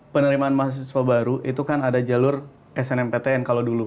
penerimaan mahasiswa baru itu kan ada jalur snmptn kalau dulu